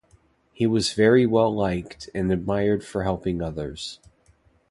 He was very well liked and admired for helping others.